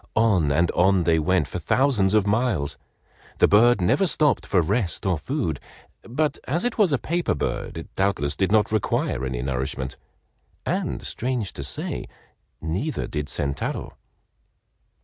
On and on they went for thousands of miles. The bird never stopped for rest or food, but as it was a paper bird it doubtless did not require any nourishment, and strange to say, neither did Sentaro.